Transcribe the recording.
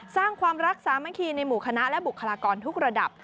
สร้างความรักสามัคคีในหมู่คณะและบุคลากรทุกระดับ